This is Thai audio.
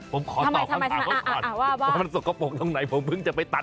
เออพี่เค้าต้องบำรวงอะไรรึเปล่า